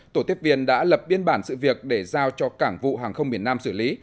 tổ tiếp viên đã lập biên bản sự việc để giao cho cảng vụ hàng không miền nam xử lý